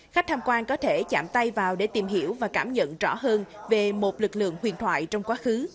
khách tham quan có thể chạm tay vào để tìm hiểu và cảm nhận rõ hơn về một lực lượng huyền thoại trong quá khứ